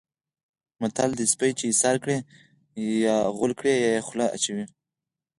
متل دی: سپی چې ایسار کړې یا غول کړي یا خوله اچوي.